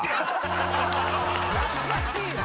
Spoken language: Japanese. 懐かしいな！